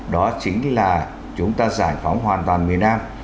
đó chính là chúng ta giải phóng hoàn toàn miền nam